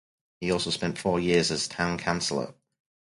He also spent four years as town councillor.